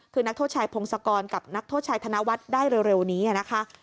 คือนักโทษชายพงศกรกับนักโทษชายธนวัฒน์ได้เร็วนี้นะคะ